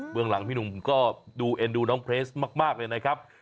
เมืองหลังพี่หนุ่มก็ดูเอ็นดูน้องเพลสมากเลยนะครับ